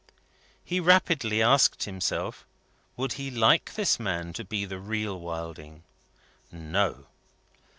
He rapidly asked himself, would he like this man to be the real Wilding? No.